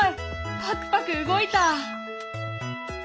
パクパク動いた！